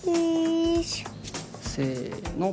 せの。